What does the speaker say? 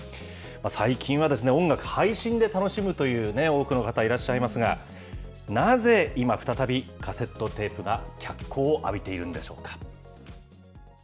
最近は音楽、配信で楽しむという多くの方、いらっしゃいますが、なぜ今、再びカセットテープが脚光を浴びているんでしょうか。